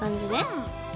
うん。